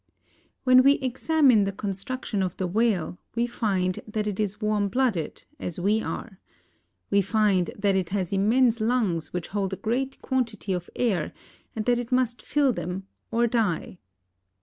When we examine the construction of the whale we find that it is warm blooded, as we are. We find that it has immense lungs which hold a great quantity of air and that it must fill them or die.